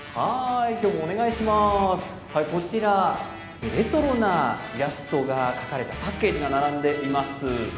カラフルでレトロなイラストが描かれたパッケージが並んでいます。